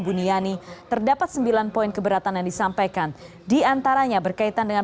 buniani terdapat sembilan poin keberatan yang disampaikan diantaranya berkaitan dengan